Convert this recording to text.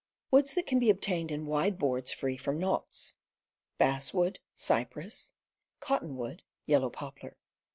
Woods that Can Be Obtained in Wide Boards Free from Knots Basswood, Cottonwood, Cypress, Yellow Poplar.